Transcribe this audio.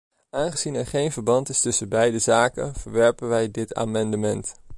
Aangezien er geen verband is tussen beide zaken, verwerpen wij dit amendement.